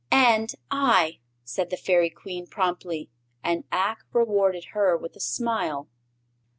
"And I!" said the Fairy Queen, promptly, and Ak rewarded her with a smile.